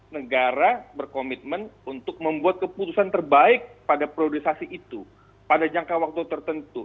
negara berkomitmen untuk membuat keputusan terbaik pada priorisasi itu pada jangka waktu tertentu